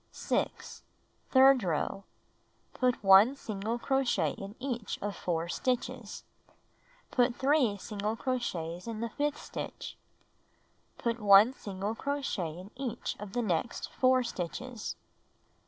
6. Third row : Put 1 single crochet in each of 4 stitches. Put 3 single crochets in the fifth stitch. Put 1 single crochet in each of the next 4 stitches.